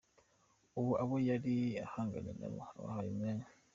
Ubu abo yari ahanganye nabo abahaye umwanya.